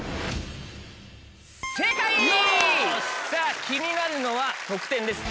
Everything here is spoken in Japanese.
さぁ気になるのは得点です。